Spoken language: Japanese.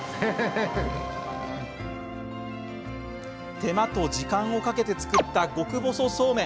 手間と時間をかけて作った極細そうめん。